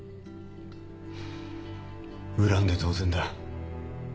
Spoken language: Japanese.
恨んで当然だ。